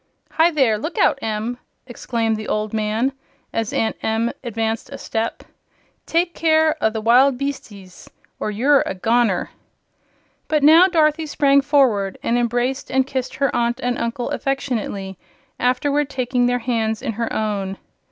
"Hi, there look out, Em!" exclaimed the old man, as Aunt Em advanced a step; "take care o' the wild beastses, or you're a goner!" But now Dorothy sprang forward and embraced and kissed her aunt and uncle affectionately, afterward taking their hands in her own.